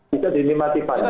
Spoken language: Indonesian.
kita dinimati panjang